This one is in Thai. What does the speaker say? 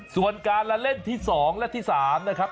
ส่วนการละเล่นที่๒และที่๓นะครับ